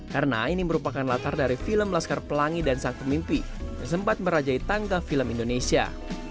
karena ini merupakan latar dari film laskar pelangi dan sang pemimpi yang sempat merajai tangga film indonesia